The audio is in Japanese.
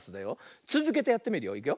つづけてやってみるよ。いくよ。